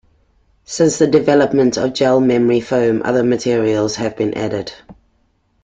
Since the development of gel memory foam, other materials have been added.